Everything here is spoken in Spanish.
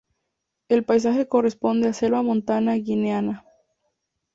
El paisaje corresponde a selva montana guineana.